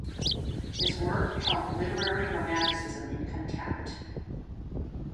His work held literary romanticism in contempt.